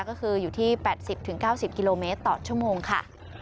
ก็คืออยู่ที่๘๐๙๐กิโลเมตรต่อชั่วโมงค่ะ